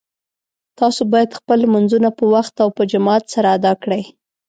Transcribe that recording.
تاسو باید خپل لمونځونه په وخت او په جماعت سره ادا کړئ